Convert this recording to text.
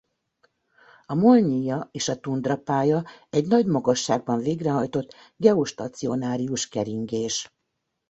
A Molnyija és a tundra pálya egy nagy magasságban végrehajtott geostacionárius keringés.